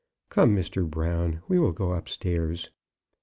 Come, Mr. Brown, we will go upstairs.